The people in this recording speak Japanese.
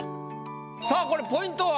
さあこれポイントは？